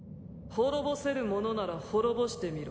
滅ぼせるものなら滅ぼしてみろ